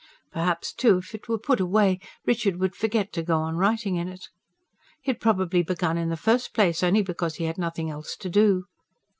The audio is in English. Perhaps, too, if it were put away Richard would forget to go on writing in it. He had probably begun in the first place only because he had nothing else to do.